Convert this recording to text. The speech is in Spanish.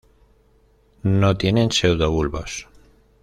No tienen pseudobulbos.